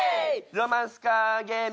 ロマンスカーゲーム！